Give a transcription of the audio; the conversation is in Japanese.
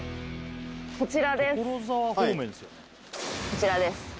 こちらです。